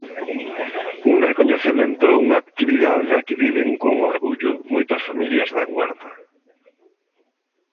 Un recoñecemento a unha actividade da que viven, con orgullo, moitas familias da Guarda.